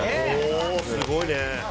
すごいね。